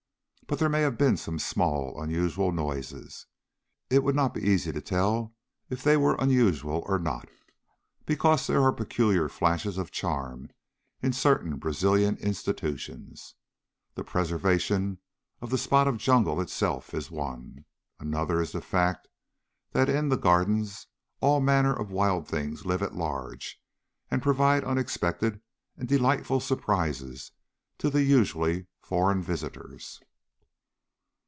But there may have been some small unusual noises. It would not be easy to tell if they were unusual or not, because there are peculiar flashes of charm in certain Brazilian institutions. The preservation of the spot of jungle itself is one. Another is the fact that in the Gardens all manner of wild things live at large and provide unexpected and delightful surprises to the usually foreign visitors.